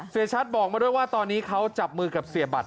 เสียชัดบอกมาด้วยว่าตอนนี้เขาจับมือกับเสียบัตร